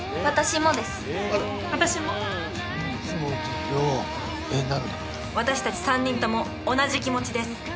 私たち３人とも同じ気持ちです。